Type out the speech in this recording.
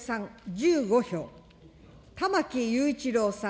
１５票、玉木雄一郎さん